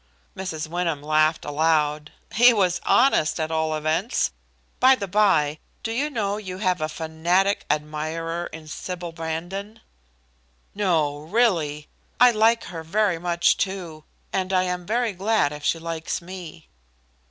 Mrs. Wyndham laughed aloud. "He was honest, at all events. By the bye, do you know you have a fanatic admirer in Sybil Brandon?" "No, really? I like her very much, too: and I am very glad if she likes me."